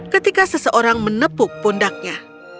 ketika seseorang menepuk pundaknya